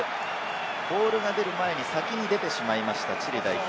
ボールが出る前に先に出てしまいました、チリ代表。